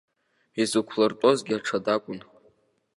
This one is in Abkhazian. Изықәлыртәозгьы аҽада акәын.